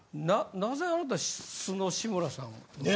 なぜあなた素の志村さんを。ねえ？